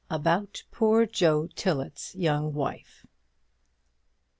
ABOUT POOR JOE TILLET'S YOUNG WIFE.